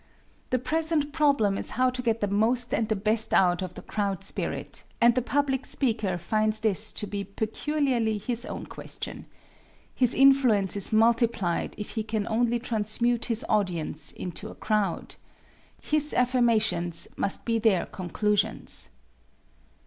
The present problem is how to get the most and the best out of the crowd spirit, and the public speaker finds this to be peculiarly his own question. His influence is multiplied if he can only transmute his audience into a crowd. His affirmations must be their conclusions.